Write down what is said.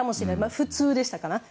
普通でしたから。